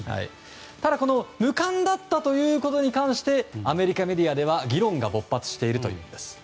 ただ、この無冠だったということに関してアメリカメディアでは議論が勃発しているというんです。